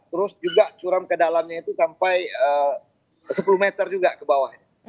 terus juga curam ke dalamnya itu sampai sepuluh meter juga ke bawahnya